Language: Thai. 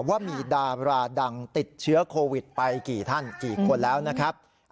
ว่ามีดาราดังติดเชื้อโควิดไปกี่ท่านกี่คนแล้วนะครับ